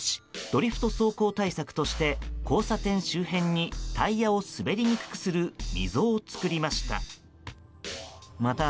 ドリフト走行対策として交差点周辺にタイヤを滑りにくくする溝を作りました。